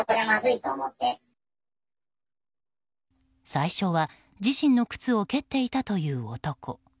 最初は自身の靴を蹴っていたという男。